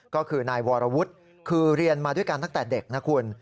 ก็คือนายวรวุฒิคือเรียนมาด้วยกันตั้งแต่เด็กนะคุณ